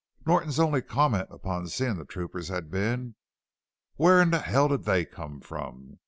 Norton's only comment upon seeing the troopers had been: "Where in hell did them come from?"